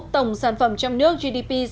tổng sản phẩm trong nước gdp